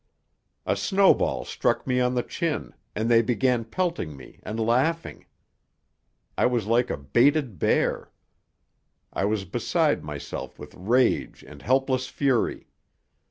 A snowball struck me on the chin, and they began pelting me and laughing. I was like a baited bear. I was beside myself with rage and helpless fury.